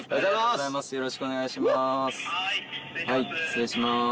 失礼します。